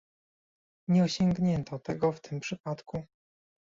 Nie osiągnięto tego w tym przypadku